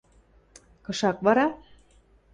Кышак вара?